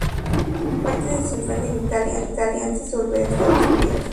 Pasó parte de su infancia en Italia, antes de volver a Estados Unidos.